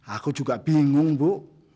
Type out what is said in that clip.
aku juga bingung bu